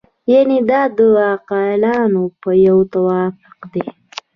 یعنې دا د عاقلانو یو توافق دی.